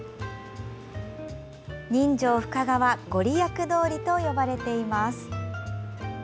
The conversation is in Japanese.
「人情深川ご利益通り」と呼ばれています。